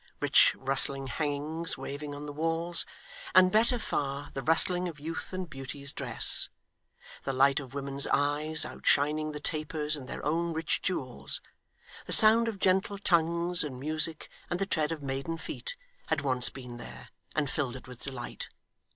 Rich rustling hangings, waving on the walls; and, better far, the rustling of youth and beauty's dress; the light of women's eyes, outshining the tapers and their own rich jewels; the sound of gentle tongues, and music, and the tread of maiden feet, had once been there, and filled it with delight.